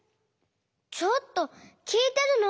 ちょっときいてるの？